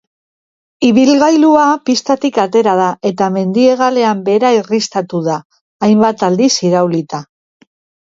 Ibilgailua pistatik atera da eta mendi-hegalean behera irristatu da, hainbat aldiz iraulita.